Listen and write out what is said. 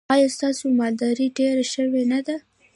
ایا ستاسو مالداري ډیره شوې نه ده؟